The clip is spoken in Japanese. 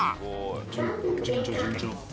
「順調順調」